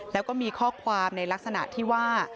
แล้วก็มีข้อความในลักษณะที่ว่า